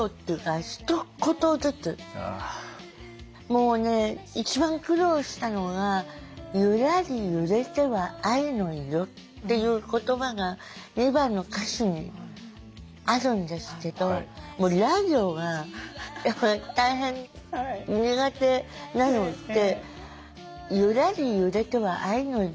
もうね一番苦労したのが「ゆらり揺れては愛の色」っていう言葉が２番の歌詞にあるんですけどもうら行がやっぱり大変苦手なので「ゆらり揺れては愛の色」。